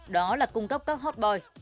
đó là cung cấp các hot boy